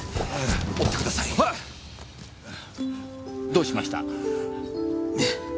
どうしました？